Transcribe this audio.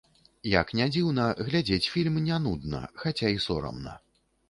Як ні дзіўна, глядзець фільм не нудна, хаця і сорамна.